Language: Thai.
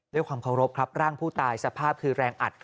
ด้วยความเคารพครับร่างผู้ตายสภาพคือแรงอัด